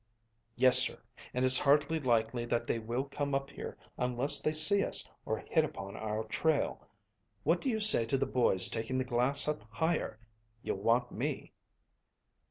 "Yes, sir, and it's hardly likely that they will come up here unless they see us or hit upon our trail. What do you say to the boys taking the glass up higher? You'll want me."